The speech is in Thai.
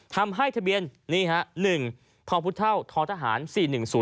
ทำให้ทะเบียนนี่ค่ะ๑ทพทธศ๔๑๐๖